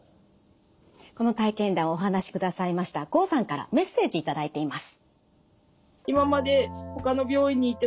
この体験談をお話しくださいました郷さんからメッセージ頂いています。